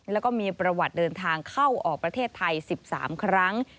แล้วก็มีประวัติเดินทางเข้าออกประเทศไทย๑๓ครั้ง